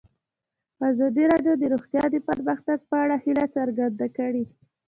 ازادي راډیو د روغتیا د پرمختګ په اړه هیله څرګنده کړې.